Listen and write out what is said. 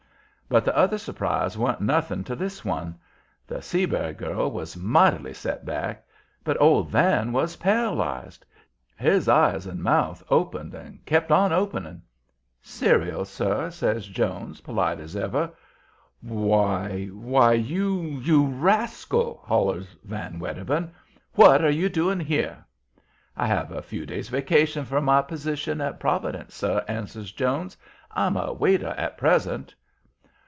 But the other surprise wa'n't nothing to this one. The Seabury girl was mightily set back, but old Van was paralyzed. His eyes and mouth opened and kept on opening. "Cereal, sir?" asks Jones, polite as ever. "Why! why, you you rascal!" hollers Van Wedderburn. "What are you doing here?" "I have a few days' vacation from my position at Providence, sir," answers Jones. "I'm a waiter at present."